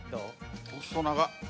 細長っ。